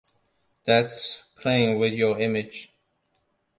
That's playing with your image.